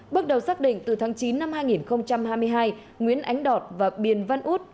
bước đầu xác định từ tháng chín năm hai nghìn hai mươi hai nguyễn ánh đọt và biền văn út